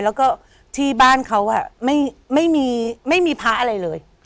แล้วก็ที่บ้านเขาไม่มีพระอะไรเลย